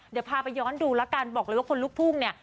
เดี๋ยวพาไปย้อนดูแล้วกันบอกเลยว่าคนลุกทุ่งเนี่ย